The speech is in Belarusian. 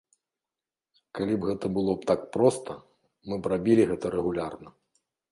Калі б гэта было так проста, мы б рабілі гэта рэгулярна.